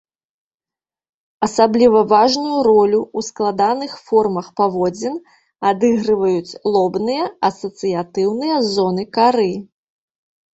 Асабліва важную ролю ў складаных формах паводзін адыгрываюць лобныя асацыятыўныя зоны кары.